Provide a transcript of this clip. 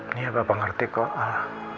ini ya bapak ngerti kok al